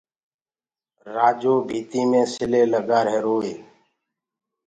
رآجو ڀيٚتيٚ مي سلينٚ لگآهيروئو